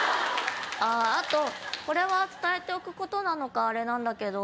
あとこれは伝えておくことかあれなんだけど。